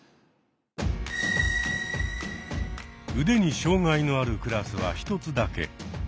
腕に障害のあるクラスは１つだけ。